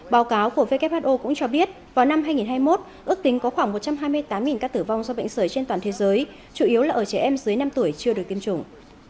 báo cáo của who cũng cho biết vào năm hai nghìn hai mươi một ước tính có khoảng một trăm hai mươi tám ca tử vong do bệnh sởi trên toàn thế giới chủ yếu là ở trẻ em dưới năm tuổi chưa được tiêm chủng